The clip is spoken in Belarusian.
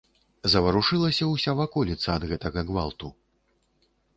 Заварушылася ўся ваколіца ад гэтага гвалту.